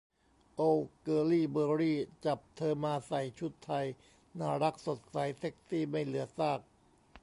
โอว เกิร์ลลี่ เบอร์รี่ จับเธอมาใส่ชุดไทย น่ารักสดใส เซ็กซี่ไม่เหลือซาก